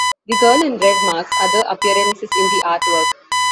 The girl in red makes other appearances in the artwork.